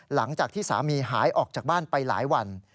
หลังจากที่สามีหายออกจากบ้านไปหลายวัน